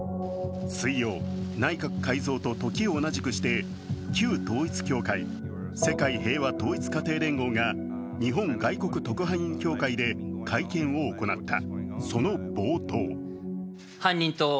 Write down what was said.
水曜、内閣改造と時を同じくして旧統一教会、世界平和統一家庭連合が日本外国特派員協会で会見を行った。